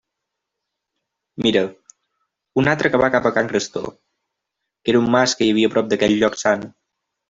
«Mira, un altre que va cap a can Crestó», que era un mas que hi havia a prop d'aquell lloc sant.